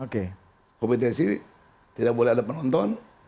kompetensi tidak boleh ada penonton